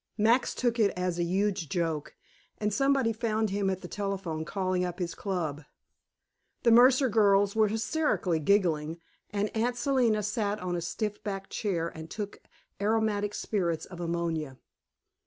Max took it as a huge joke, and somebody found him at the telephone, calling up his club. The Mercer girls were hysterically giggling, and Aunt Selina sat on a stiff backed chair and took aromatic spirits of ammonia.